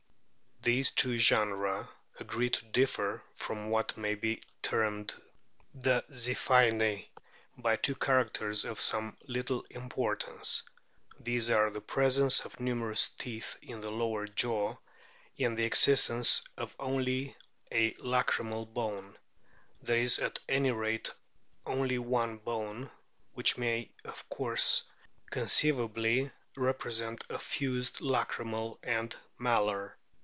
These two genera agree to differ from what may be termed the Ziphiinae by two characters of some little importance ; these are the presence of numerous teeth in the lower jaw, and the existence of only a lacrymal bone ; there is at any rate only one bone, which may of course conceivably represent a fused lacrymal and malar.